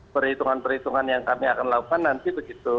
perhitungan perhitungan yang kami akan lakukan nanti begitu